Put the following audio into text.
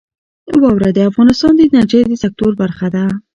واوره د افغانستان د انرژۍ د سکتور برخه ده.